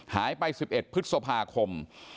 หายไป๑๑พฤษภาคม